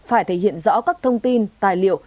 phải thể hiện rõ các thông tin tài liệu